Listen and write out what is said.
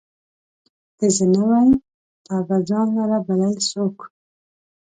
که زه نه وای، تا به ځان لره بلل څوک